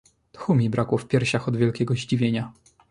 "Tchu mi brakło w piersiach od wielkiego zdziwienia."